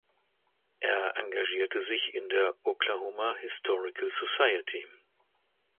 Er engagierte sich in der Oklahoma Historical Society.